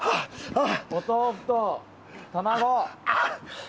お豆腐と卵。